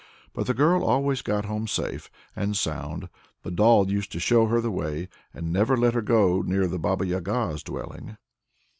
But the girl always got home safe and sound; the doll used to show her the way, and never let her go near the Baba Yaga's dwelling.